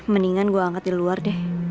mendingan gue angkat di luar deh